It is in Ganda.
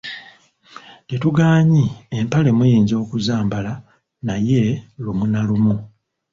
Tetugaanye empale muyinza okuzambala naye lumu na lumu.